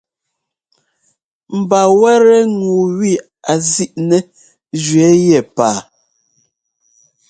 Mba wɛ́tɛ́ ŋu wi a zíʼnɛ́ jʉ́ɛ́ yɛ paa.